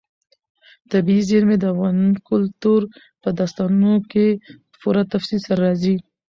طبیعي زیرمې د افغان کلتور په داستانونو کې په پوره تفصیل سره راځي.